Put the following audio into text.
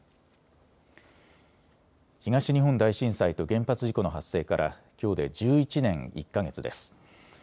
東日本大震災と原発事故の発生からきょうで１１年１か月です。